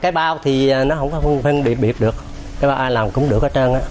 cái bao thì nó không phân biệt được cái bao ai làm cũng được hết trơn